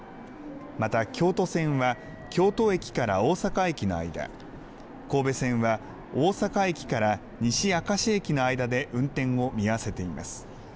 また、京都線は京都駅から大阪駅の間、神戸線は大阪駅から西明石駅の間で運転を見合わせています。